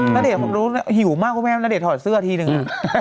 ณเดชน์ผมรู้หิวมากเพราะแม่ณเดชนถอดเสื้อทีนึง